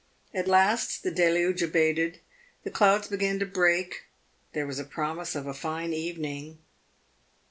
At last the deluge abated, the clouds began to break there was a promise of a fine evening.